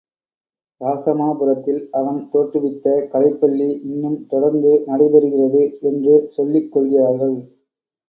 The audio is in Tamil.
இராசமாபுரத்தில் அவன் தோற்றுவித்த கலைப்பள்ளி இன்னும் தொடர்ந்து நடைபெறுகிறது என்று சொல்லிக் கொள்கிறார்கள்.